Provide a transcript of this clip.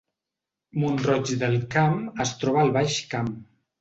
Mont-roig del Camp es troba al Baix Camp